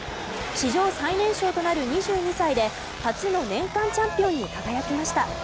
史上最年少となる２２歳で初の年間チャンピオンに輝きました。